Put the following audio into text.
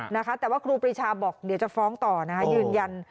นะคะแต่ว่าครูปรีชาบอกเดี๋ยวจะฟ้องต่อนะคะยืนยัน